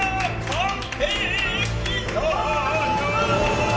はい。